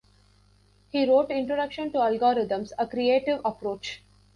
He wrote "Introduction to Algorithms - A Creative Approach".